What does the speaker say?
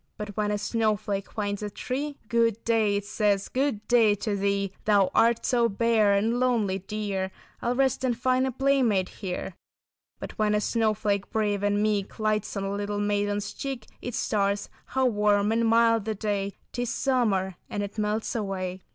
"But when a snowflake finds a tree Good day, it says, good day to thee. Thou art so bare and lonely, dear, I'll rest and find a playmate here. "But when a snowflake brave and meek Lights on a little maiden's cheek, It starts—how warm and mild the day, 'Tis summer; and it melts away."